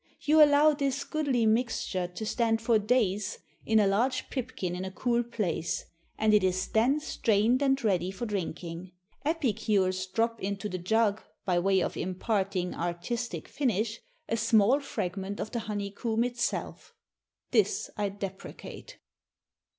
You allow this goodly mixture to stand for days in a large pipkin in a cool place, and it is then strained and ready for drinking. Epicures drop into the jug, by way of imparting artistic finish, a small fragment of the honeycomb itself. This I deprecate."